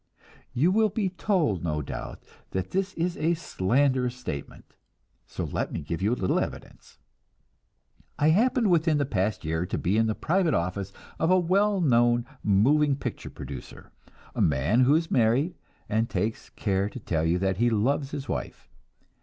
You will be told, no doubt, that this is a slanderous statement, so let me give you a little evidence. I happened within the past year to be in the private office of a well known moving picture producer, a man who is married, and takes care to tell you that he loves his wife.